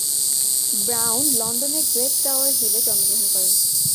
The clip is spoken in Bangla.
ব্রাউন লন্ডনের গ্রেট টাওয়ার হিলে জন্মগ্রহণ করেন।